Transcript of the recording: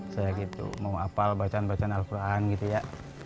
saya gitu mau apal bacaan bacaan al quran gitu ya